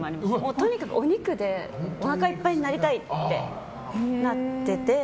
とにかくお肉でおなかいっぱいになりたいってなってて。